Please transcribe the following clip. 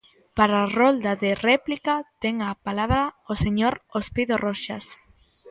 Para a rolda de réplica, ten a palabra o señor Ospido Roxas.